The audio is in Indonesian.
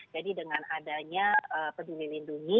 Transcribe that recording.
jadi dengan adanya peduli lindungi